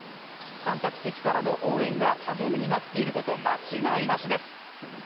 観客席からの応援が励みになっていること間違いなしです。